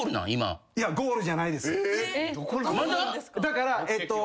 まだ？だからえっと。